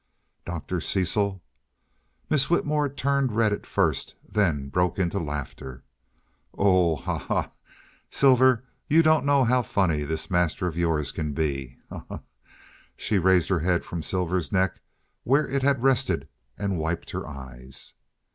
"Dr. Cecil " Miss Whitmore turned red at first, then broke into laughter. "Oh h, ha! ha! ha! Silver, you don't know how funny this master of yours can be! Ha! ha!" She raised her head from Silver's neck, where it had rested, and wiped her eyes.